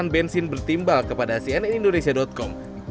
bensin berhubungan dengan kualitas udara